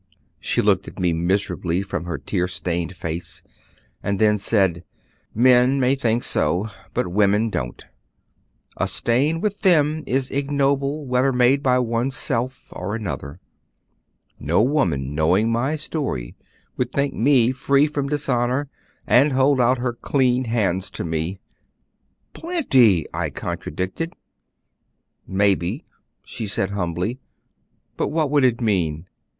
She looked at me miserably from her tear stained face, and then said, 'Men may think so, but women don't; a stain with them is ignoble whether made by one's self or another. No woman knowing my story would think me free from dishonor, and hold out her clean hands to me.' 'Plenty,' I contradicted. 'Maybe,' she said humbly; 'but what would it mean?